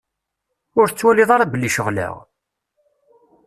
Ur tettwaliḍ ara belli ceɣleɣ?